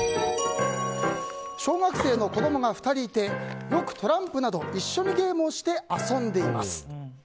小学生の子供が２人いてよくトランプなど一緒にゲームをして遊んでいます。